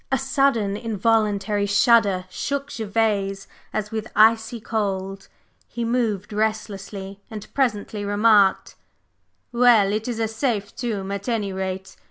A sudden involuntary shudder shook Gervase as with icy cold; he moved restlessly, and presently remarked: "Well, it is a safe tomb, at any rate!